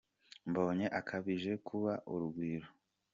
Mbonye akabije kuba urugwiro